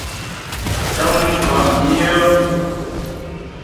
Ntə́ŋ mfá' myə́.